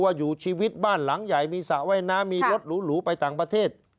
อยู่ชีวิตบ้านหลังใหญ่มีสระว่ายน้ำมีรถหรูไปต่างประเทศ